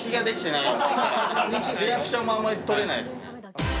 リアクションもあんまりとれないですね。